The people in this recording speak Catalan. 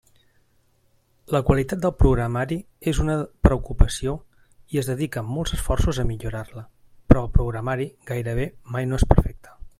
La qualitat del programari és una preocupació i es dediquen molts esforços a millorar-la, però el programari gairebé mai no és perfecte.